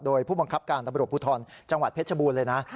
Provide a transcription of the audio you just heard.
โดยผู้บังคับการตำรวจภูทรจังหวัดเพชรบูรณ์เลยนะ